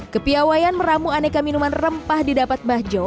kepiawayan meramu aneka minuman rempah didapat bajo